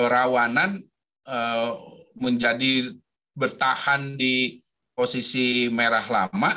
rawanan menjadi bertahan di posisi merah lama